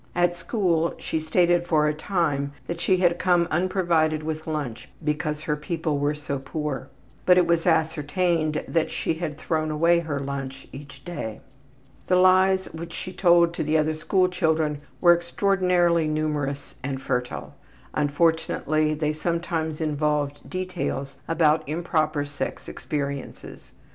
At school she stated for a time that she had come unprovided with lunch because her people were so poor, but it was ascertained that she had thrown away her lunch each day. The lies which she told to the other school children were extraordinarily numerous and fertile; unfortunately they sometimes involved details about improper sex experiences.